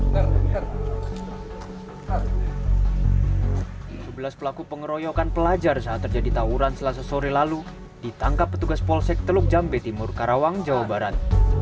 sebelas pelaku pengeroyokan pelajar saat terjadi tawuran selasa sore lalu ditangkap petugas polsek teluk jambe timur karawang jawa barat